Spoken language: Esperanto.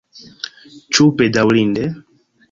Ĉu bedaŭrinde?